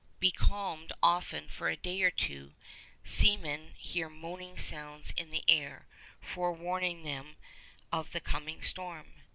Becalmed often for a day or two, seamen hear moaning sounds in the air, forewarning them of the coming storm.